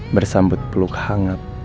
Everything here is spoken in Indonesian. bersambut peluk hangat